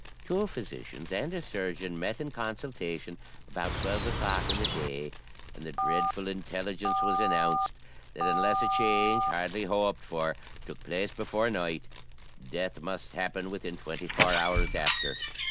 Two physicians and a surgeon met in consultation about twelve o'clock in the day, and the dreadful intelligence was announced, that unless a change, hardly hoped for, took place before night, death must happen within twenty four hours after.